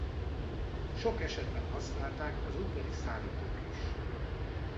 Sok esetben használták az udvari szállítók is.